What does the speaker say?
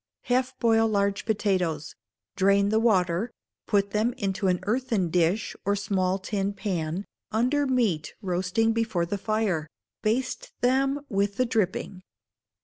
Half boil large potatoes; drain the water; put them into an earthen dish, or small tin pan, under meat roasting before the fire; baste them with the dripping.